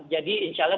jadi insya allah